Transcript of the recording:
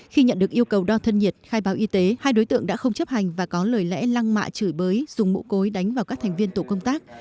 khi nhận được yêu cầu đo thân nhiệt khai báo y tế hai đối tượng đã không chấp hành và có lời lẽ lăng mạ chửi bới dùng mũ cối đánh vào các thành viên tổ công tác